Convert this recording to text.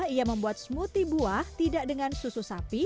ia membuat smoothie buah tidak dengan susu sapi